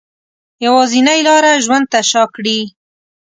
یوازینۍ لاره ژوند ته شا کړي